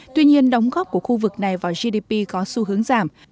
tuy nhiên đóng góp của khu vực này vào gdp có xu hướng giảm